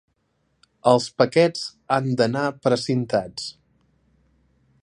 Els paquets han d'anar precintats.